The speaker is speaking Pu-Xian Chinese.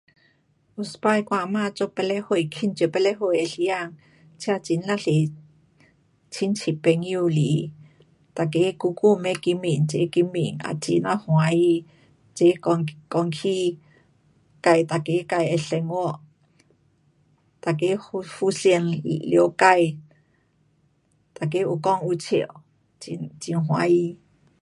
有一次我阿妈做八十岁庆祝八十岁的时间，请很呀多亲戚朋友来，每个久久没见面，齐见面了也很呀欢喜，齐讲，讲起自每个自的生活。每个互，互相了解，每个有讲有笑，很，很欢喜。